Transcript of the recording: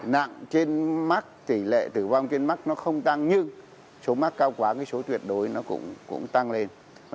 nặng trên mắc tỷ lệ tử vong trên mắt nó không tăng nhưng số mắc cao quá cái số tuyệt đối nó cũng tăng lên